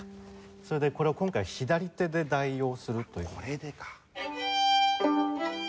それでこれを今回左手で代用するという。